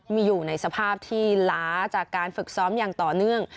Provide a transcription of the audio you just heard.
มีอยู่ในสภาพที่ล้าจากการฝึกซ้อมอย่างต่อเนื่อง